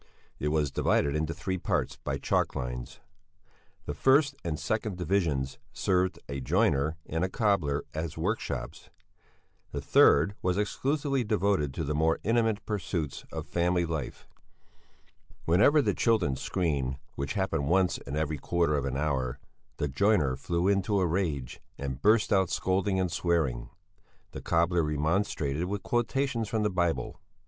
It was divided into three parts by chalk lines. The first and second divisions served a joiner and a cobbler as workshops; the third was exclusively devoted to the more intimate pursuits of family life. Whenever the children screamed, which happened once in every quarter of an hour, the joiner flew into a rage and burst out scolding and swearing; the cobbler remonstrated with quotations from the Bible.